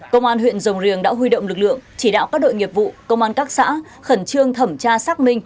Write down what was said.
công an huyện rồng riềng đã huy động lực lượng chỉ đạo các đội nghiệp vụ công an các xã khẩn trương thẩm tra xác minh